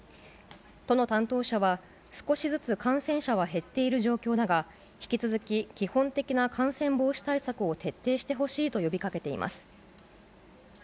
都の担当者は、少しずつ感染者は減っている状況だが、引き続き、基本的な感染防止対策を徹底してほしいと呼びかけています。